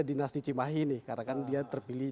dinasti cimahi nih karena kan dia terpilih